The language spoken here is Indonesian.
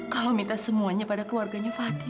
kalau minta semuanya pada keluarganya fadi